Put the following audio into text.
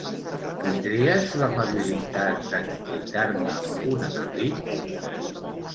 Tindries l'amabilitat d'explicar-me un acudit?